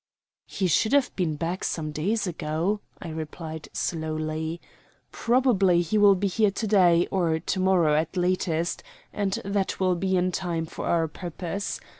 "He should have been back some days ago," I replied slowly. "Probably he will be here to day or to morrow, at latest, and that will be in time for our purpose.